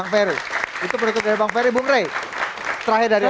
terima kasih bang ferry bumrey